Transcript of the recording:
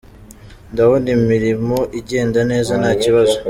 Ndabona imirimo igenda neza nta kibazo.